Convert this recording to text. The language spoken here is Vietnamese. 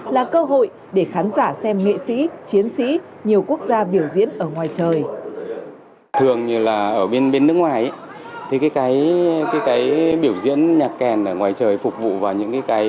là cơ hội để tìm hiểu về các chương trình